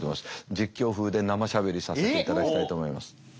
実況風で生しゃべりさせていただきたいと思います。